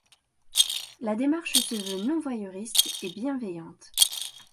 La démarche se veut non voyeuriste et bienveillante.